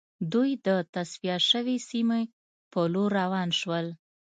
دوی د تصفیه شوې سیمې په لور روان شول